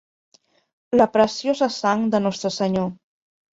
La preciosa sang de Nostre Senyor.